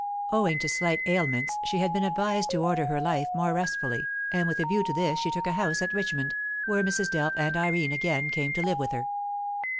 Owing to slight ailments, she had been advised to order her life more restfully, and with a view to this she took a house at Richmond, where Mrs. Delph and Irene again came to live with her.